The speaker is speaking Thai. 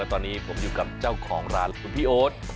ตอนนี้ผมอยู่กับเจ้าของร้านคุณพี่โอ๊ต